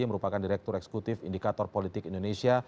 yang merupakan direktur eksekutif indikator politik indonesia